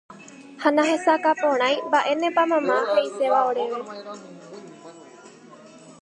ha nahesakãporãi mba'énepa mama he'iséva oréve.